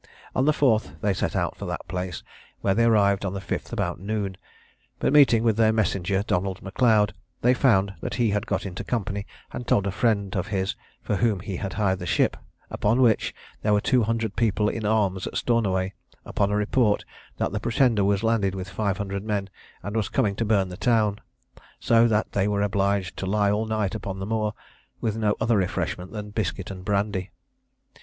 On the 4th they set out for that place, where they arrived on the 5th about noon, but meeting with their messenger, Donald M'Leod, they found that he had got into company, and told a friend of his for whom he had hired the ship; upon which there were two hundred people in arms at Stornoway, upon a report that the Pretender was landed with five hundred men, and was coming to burn the town; so that they were obliged to lie all night upon the moor, with no other refreshment than biscuit and brandy.